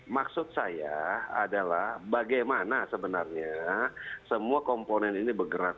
maksud saya adalah bagaimana sebenarnya semua komponen ini bergerak